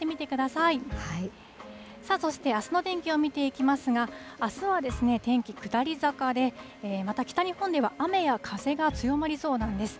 さあ、そしてあすの天気を見ていきますが、あすは天気、下り坂で、また北日本では雨や風が強まりそうなんです。